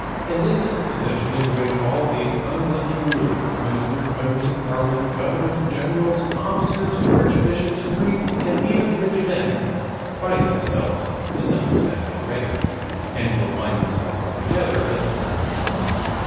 And this is the position in which all these unlucky rulers, ministers, members of parliament, governors, generals, officers, archbishops, priests, and even rich men find themselves to some extent already, and will find themselves altogether as time goes on.